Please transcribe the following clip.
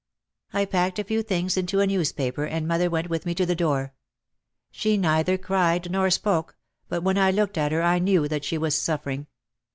I packed a few things into a newspaper and mother went with me to the door. She neither cried nor spoke but when I looked at her I knew what she was suffering.